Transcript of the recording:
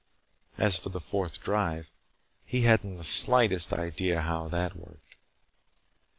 As for the Fourth Drive, he hadn't the slightest idea how it worked.